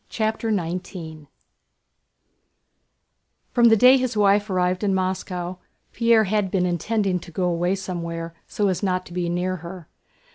CHAPTER XIX From the day his wife arrived in Moscow Pierre had been intending to go away somewhere, so as not to be near her.